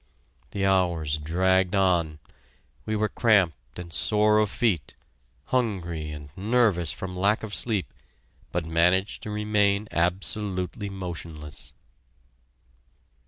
The hours dragged on. We were cramped and sore of feet, hungry, and nervous from lack of sleep, but managed to remain absolutely motionless.